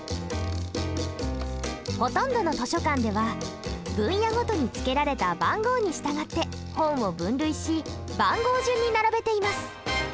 ほとんどの図書館では分野ごとにつけられた番号に従って本を分類し番号順に並べています。